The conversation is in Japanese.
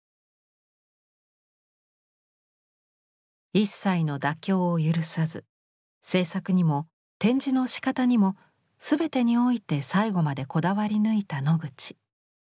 一切の妥協を許さず制作にも展示のしかたにも全てにおいて最後までこだわり抜いたノグチ。